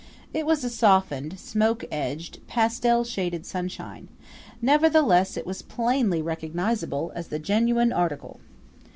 It was a softened, smoke edged, pastel shaded sunshine; nevertheless it was plainly recognizable as the genuine article.